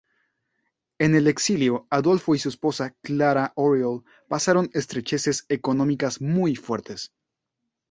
En el exilio, Adolfo y su esposa Clara Oriol pasaron estrecheces económicas muy fuertes.